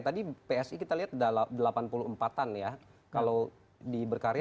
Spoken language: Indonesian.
tadi psi kita lihat delapan puluh empat an ya kalau di berkarya